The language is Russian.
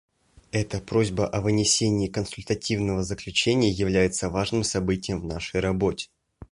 Эта просьба о вынесении консультативного заключения является важным событием в нашей работе.